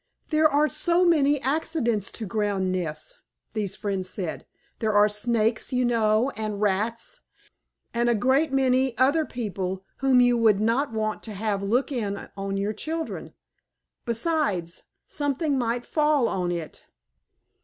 "There are so many accidents to ground nests," these friends said. "There are Snakes, you know, and Rats, and a great many other people whom you would not want to have look in on your children. Besides, something might fall on it."